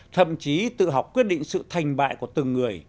thậm chí tự học quyết định sự thành bại của từng người